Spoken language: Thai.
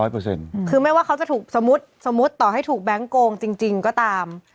พูดต่อให้ถูกแบงก์โกงจริงก็ตาม